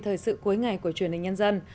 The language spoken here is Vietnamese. thông tin thời sự cuối ngày của truyền hình nhân dân